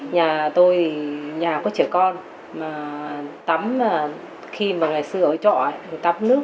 nhà tôi nhà có trẻ con mà tắm khi mà ngày xưa ở trọ thì tắm nước